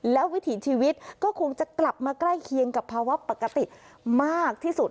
และวิถีชีวิตก็คงจะกลับมาใกล้เคียงกับภาวะปกติมากที่สุด